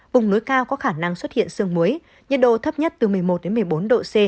vùng núi cao có khả năng xuất hiện sương muối nhiệt độ thấp nhất từ một mươi một một mươi bốn độ c